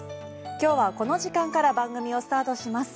今日はこの時間から番組をスタートします。